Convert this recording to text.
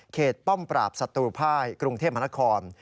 เขตป้อมปราบศัตรูภายกรุงเทพมนตร์คอร์ม